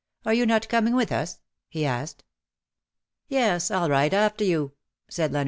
Are not you coming with us ?" he asked. '^Yes, ril ride after you," said Leonard.